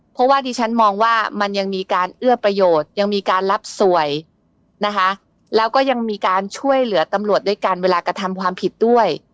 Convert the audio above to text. เพราะว่าดิฉันมองว่ามันยังมีการเอื้อประโยชน์ยังมีการรับสวยนะคะแล้วก็ยังมีการช่วยเหลือตำรวจด้วยกันเวลากระทำความผิดด้วย